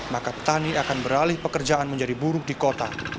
maka petani akan beralih pekerjaan menjadi buruk di kota